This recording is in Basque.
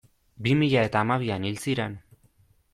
Bi mila eta hamabian hil ziren.